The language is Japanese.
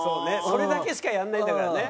それだけしかやらないんだからね。